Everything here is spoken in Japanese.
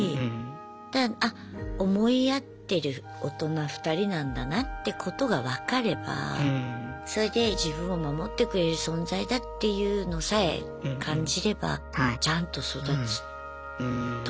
だからあ思い合ってる大人２人なんだなってことが分かればそれで自分を守ってくれる存在だっていうのさえ感じればちゃんと育つ。